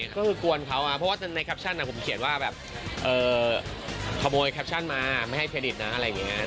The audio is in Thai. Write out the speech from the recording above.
ก็คือกวนเขาเพราะว่าในแคปชั่นผมเขียนว่าแบบขโมยแคปชั่นมาไม่ให้เครดิตนะอะไรอย่างนี้